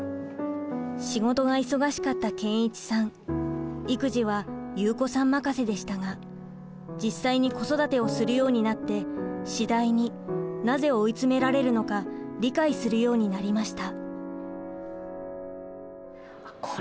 仕事が忙しかった健一さん育児は祐子さん任せでしたが実際に子育てをするようになって次第になぜ追い詰められるのか理解するようになりました。